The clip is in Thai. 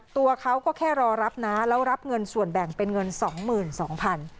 ตัวเขาก็แค่รอรับน้าแล้วรับเงินส่วนแบ่งเป็นเงินสองหมื่นสองพัน